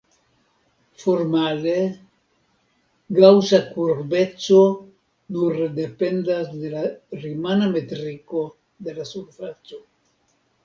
Formale, gaŭsa kurbeco nur dependas de la rimana metriko de la surfaco.